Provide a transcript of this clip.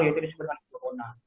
yaitu disebutkan flurona